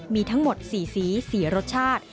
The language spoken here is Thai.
มีทั้งหมด๔สีรสชาติ